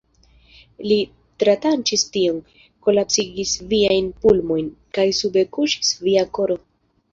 Li tratranĉis tion, kolapsigis viajn pulmojn, kaj sube kuŝis via koro!